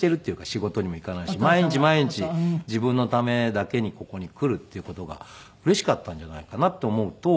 仕事にも行かないし毎日毎日自分のためだけにここに来るっていう事がうれしかったんじゃないかなって思うと。